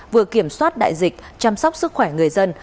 vừa kiểm soát đại dịch chăm sóc sức khỏe người dân